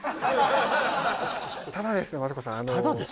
あのただですね？